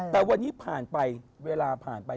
แต่วันนี้เวลาผ่านไป